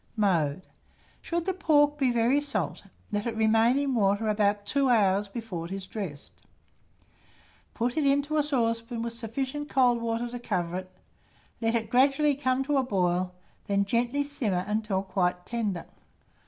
Mode. Should the pork be very salt, let it remain in water about 2 hours before it is dressed; put it into a saucepan with sufficient cold water to cover it, let it gradually come to a boil, then gently simmer until quite tender.